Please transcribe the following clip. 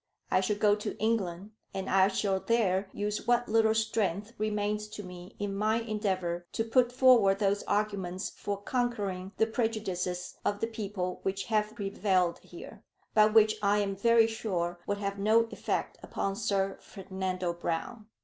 I shall go to England, and I shall there use what little strength remains to me in my endeavour to put forward those arguments for conquering the prejudices of the people which have prevailed here, but which I am very sure would have no effect upon Sir Ferdinando Brown.